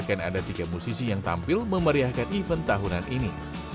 akan ada tiga musisi yang tampil memeriahkan event tahunan ini